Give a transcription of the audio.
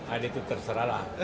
anies itu terserah lah